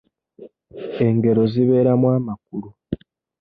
Engero zibeeramu amakulu.